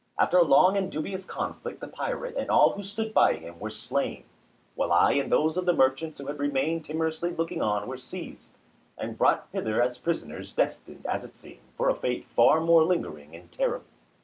After a long and dubious conflict the pirate, and all who stood by him, were slain, while I and those of the merchants who had remained timorously looking on were seized, and brought hither as prisoners destined as it seemed for a fate far more lingering and terrible.